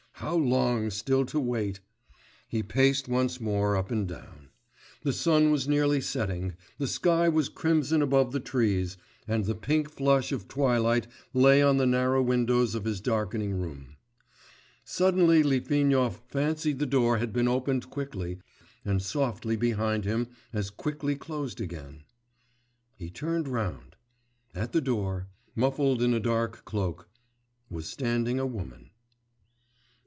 How long still to wait! He paced once more up and down. The sun was nearly setting, the sky was crimson above the trees, and the pink flush of twilight lay on the narrow windows of his darkening room. Suddenly Litvinov fancied the door had been opened quickly and softly behind him and as quickly closed again.... He turned round; at the door, muffled in a dark cloak, was standing a woman....